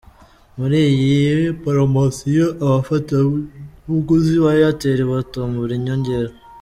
Muri iyi poromosiyo abafatabuguzi ba Airtel batombola inyongera .